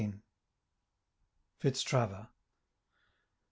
FITZTRAVER.